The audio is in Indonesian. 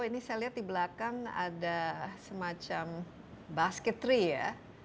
ini saya lihat di belakang ada semacam basketry ya